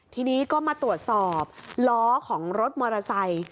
ทีนี้ก็มาตรวจสอบล้อของรถมอเตอร์ไซค์